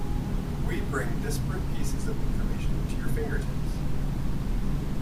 We bring disparate pieces of information to your fingertips.